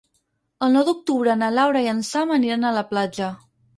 El nou d'octubre na Laura i en Sam aniran a la platja.